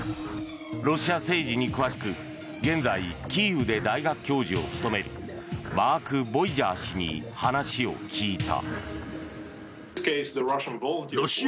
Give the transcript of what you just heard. ロシア政治に詳しく現在、キーウで大学教授を務めるマーク・ボイジャー氏に話を聞いた。